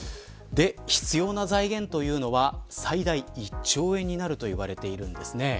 必要な財源というのは最大１兆円になるといわれています。